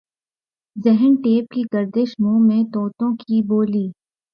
ذہن ٹیپ کی گردش منہ میں طوطوں کی بولی